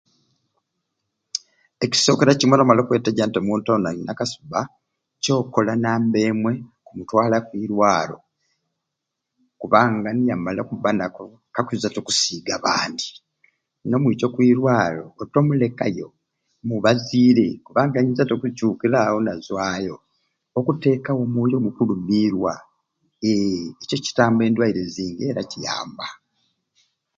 Ekisokeera kimwei nomala okweteeja nti omuntu oni ayinza akasubba, ekyokola namba emwe kumutwala kuirwaro kubanga niyamala okubba nako kakwiiza'te okusiiga abandi nomwikya okwirwaro otomuleekayo mubaziire kubanga ayinza'te okukyukirawo nazwayo, okutekawo omwoyo ogukulumirwa eeeh ekyo kitamba endwaire zingi era kiyamba.